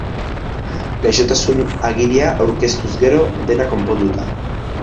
Gaixotasun-agiria aurkeztuz gero, dena konponduta.